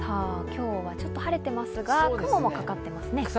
今日はちょっと晴れてますが、雲もかかってますね。